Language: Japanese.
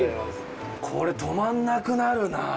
これ止まんなくなるな。